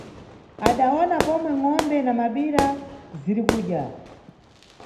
Adawona pomwe ngʼombe na mabira zirikudya.